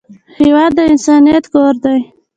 هېواد د انسانیت کور دی.